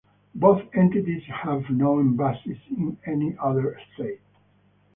Both entities have no embassies in any other state.